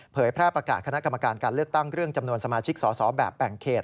แพร่ประกาศคณะกรรมการการเลือกตั้งเรื่องจำนวนสมาชิกสอสอแบบแบ่งเขต